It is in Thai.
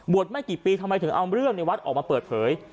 ไม่กี่ปีทำไมถึงเอาเรื่องในวัดออกมาเปิดเผย